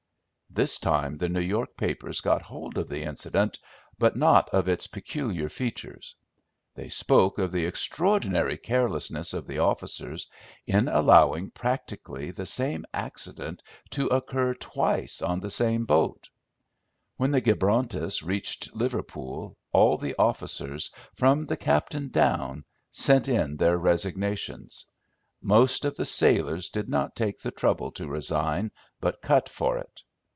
This time the New York papers got hold of the incident, but not of its peculiar features. They spoke of the extraordinary carelessness of the officers in allowing practically the same accident to occur twice on the same boat. When the Gibrontus reached Liverpool all the officers, from the captain down, sent in their resignations. Most of the sailors did not take the trouble to resign, but cut for it.